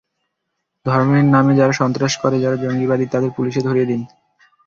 যারা ধর্মের নামে সন্ত্রাস করে, যারা জঙ্গিবাদী, তাদের পুলিশে ধরিয়ে দিন।